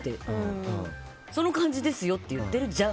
その漢字ですよって言ってるじゃん！